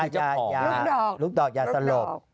ลูกดอกลูกดอกหยาสะโลก